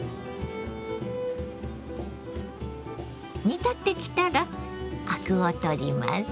煮立ってきたらアクを取ります。